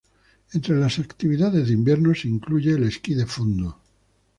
Entre las actividades de invierno se incluye el esquí de fondo.